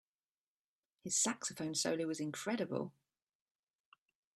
His saxophone solo was incredible.